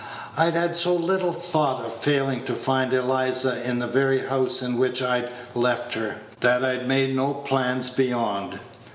I'd had so little thought of failing to find Eliza in the very house in which I'd left her, that I'd made no plans beyond.